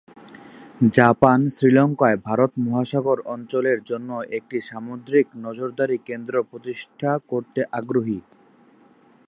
Japan শ্রীলঙ্কায় ভারত মহাসাগর অঞ্চলের জন্য একটি সামুদ্রিক নজরদারি কেন্দ্র প্রতিষ্ঠা করতে আগ্রহী।